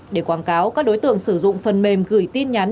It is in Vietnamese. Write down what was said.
để quảng cáo các đối tượng sử dụng phần mềm gửi tin nhắn